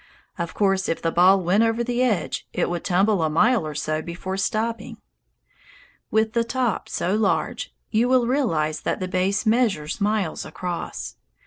Of course if the ball went over the edge, it would tumble a mile or so before stopping. With the top so large, you will realize that the base measures miles across.